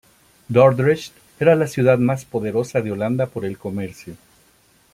Dordrecht era la ciudad más poderosa de Holanda por el comercio.